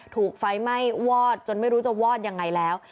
ถูกไฟไหม้วอดจนไม่รู้จะวอดยังไงแล้ว